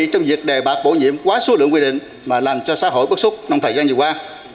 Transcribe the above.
trong việc đề bạt bổ nhiệm quá số lượng quy định mà làm cho xã hội bức xúc trong thời gian vừa qua